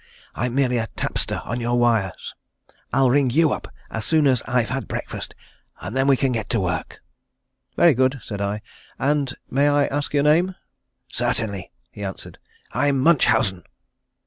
"I'm merely a tapster on your wires. I'll ring you up as soon as I've had breakfast and then we can get to work." "Very good," said I. "And may I ask your name?" "Certainly," he answered. "I'm Munchausen."